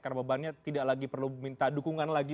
karena bebannya tidak lagi perlu minta dukungan lagi